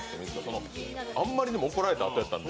その、あんまりにも怒られたあとやったんで。